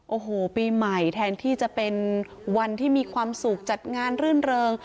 โอ้โหปีใหม่แทนที่จะเป็นวันที่มีความสุขจัดงานรื่นเริง